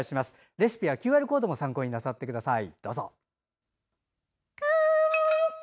レシピはＱＲコードも参考になさってください。